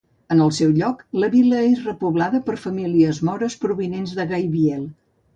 En el seu lloc, la vila és repoblada per famílies mores provinents de Gaibiel.